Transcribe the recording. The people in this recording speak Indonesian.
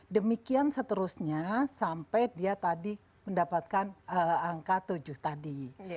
demikian seterusnya sampai dia tadi mendapatkan angka tujuh tadi